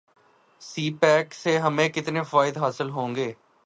سی pack سے ہمیں کتنے فوائد حاصل ہوں گے